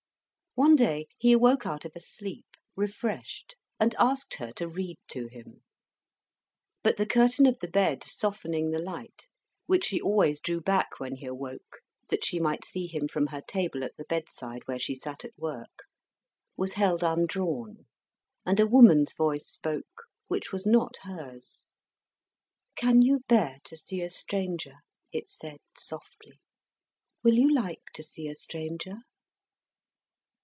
One day he awoke out of a sleep, refreshed, and asked her to read to him. But the curtain of the bed, softening the light, which she always drew back when he awoke, that she might see him from her table at the bedside where she sat at work, was held undrawn; and a woman's voice spoke, which was not hers. "Can you bear to see a stranger?" it said softly. "Will you like to see a stranger?"